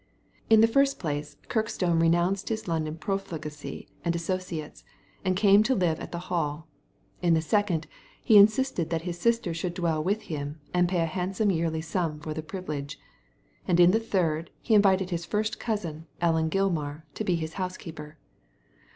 In the first place Kirkstone renounced his London profligacy and associates, and came to live at the Hall ; in the second, he insisted that his sister should dwell with him, and pay a handsome yearly sum for the privilege ; and in the third, he invited his first cousin, Ellen Gilmar, to be his housekeeper.